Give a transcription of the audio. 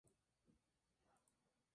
Este hecho da lugar a la teoría de bandas.